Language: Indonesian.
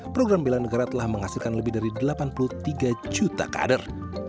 program bela negara telah menghasilkan lebih dari delapan puluh tiga juta kader